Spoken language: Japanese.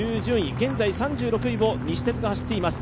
現在３６位を西鉄が走っています。